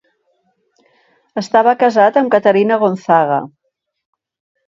Estava casat amb Caterina Gonzaga.